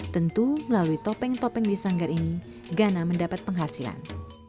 tentu melalui topeng topeng di sanggar ini ghana mendapat penghasilan